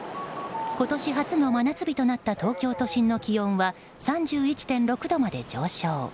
今年初の真夏日となった東京都心の気温は３１．６度まで上昇。